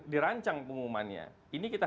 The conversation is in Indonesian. dirancang pengumumannya ini kita